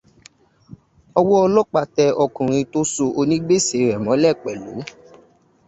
Ọwọ́ ọlọ́pàá tẹ ọkùnrin tó so onígbèsè rẹ̀ mọ́lẹ̀ pẹ̀lú.